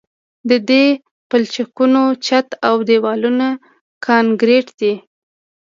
د دې پلچکونو چت او دیوالونه کانکریټي دي